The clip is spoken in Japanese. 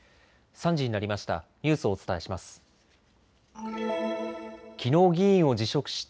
３時になりました。